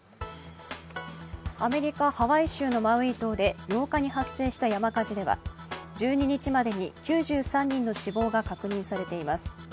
アメリカ・ハワイ州のマウイ島で８日に発生した山火事では１２日までに９３人の死亡が確認されています。